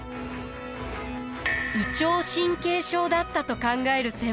胃腸神経症だったと考える専門家も。